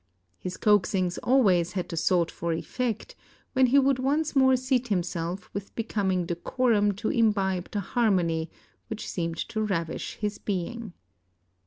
His coaxings always had the sought for effect, when he would once more seat himself with becoming decorum to imbibe the harmony which seemed to ravish his being.